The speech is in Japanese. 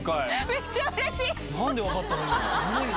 めっちゃうれしい。